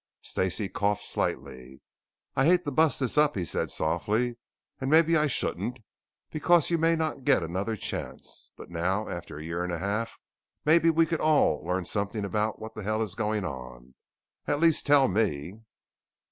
Stacey coughed slightly. "I hate to bust this up," he said softly. "And maybe I shouldn't, because you may not get another chance. But now after a year and a half maybe we all could learn something about what the hell is going on. At least tell me."